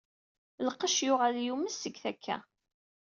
Lqecc yuɣal yumes seg takka.